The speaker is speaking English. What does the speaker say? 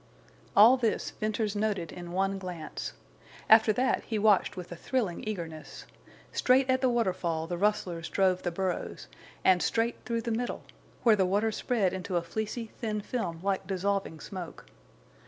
All this Venters noted in one glance. After that he watched with a thrilling eagerness. Straight at the waterfall the rustlers drove the burros, and straight through the middle, where the water spread into a fleecy, thin film like dissolving smoke.